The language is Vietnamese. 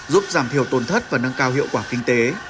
giúp giảm thiểu tồn thất và nâng cao hiệu quả kinh tế